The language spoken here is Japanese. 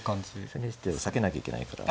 千日手避けなきゃいけないから。